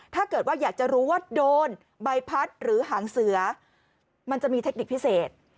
ถ้าเกิดว่าอยากจะรู้ว่าโดนใบพัดหรือหางเสือมันจะมีเทคนิคพิเศษ